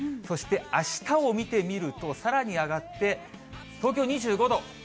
そして、あしたを見てみるとさらに上がって、東京２５度。